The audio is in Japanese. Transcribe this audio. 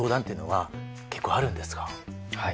はい。